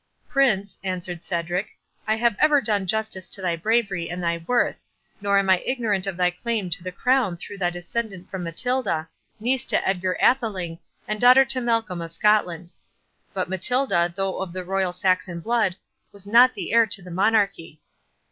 "Prince," answered Cedric, "I have ever done justice to thy bravery and thy worth—Nor am I ignorant of thy claim to the crown through thy descent from Matilda, niece to Edgar Atheling, and daughter to Malcolm of Scotland. But Matilda, though of the royal Saxon blood, was not the heir to the monarchy."